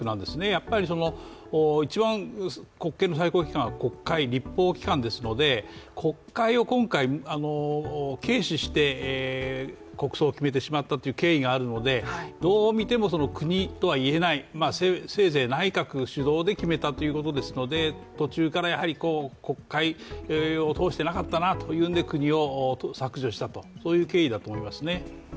やっぱり一番国権の最高機関は国会、立法機関ですので国会を今回、軽視して国葬を決めてしまったという経緯があるので、どう見ても国とはいえない、せいぜい内閣主導で決めたということですので途中から、国会を通してなかったなというので、国を削除したという経緯だと思いますね。